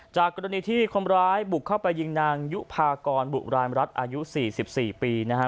จากกรณีที่คนร้ายบุกเข้าไปยิงนางยุภากรบุราณรัฐอายุ๔๔ปีนะฮะ